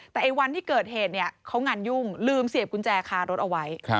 แต่ไอ้วันที่เกิดเหตุเขางานยุ่งลืมเสียบกุญแจคารถเอาไว้